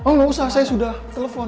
oh gak usah saya sudah telpon